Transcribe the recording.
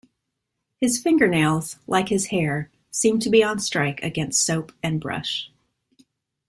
His finger-nails, like his hair, seemed to be on strike against soap and brush.